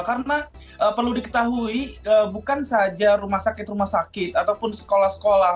karena perlu diketahui bukan saja rumah sakit rumah sakit ataupun sekolah sekolah